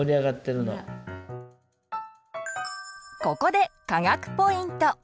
ここで科学ポイント！